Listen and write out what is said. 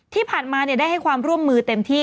ที่ผ่านมาได้ให้ความร่วมมือเต็มที่